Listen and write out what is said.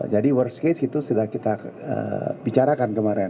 jadi worst case itu sudah kita bicarakan kemarin